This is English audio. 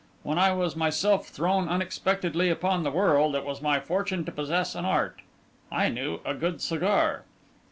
When I was myself thrown unexpectedly upon the world, it was my fortune to possess an art: I knew a good cigar.